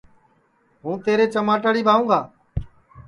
ہوں تیرے چماٹاڑی ٻائوگا